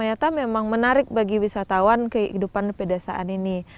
ternyata memang menarik bagi wisatawan kehidupan pedesaan ini